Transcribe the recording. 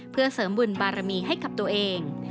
เพื่อเสริมบุญบารมีให้กับตัวเอง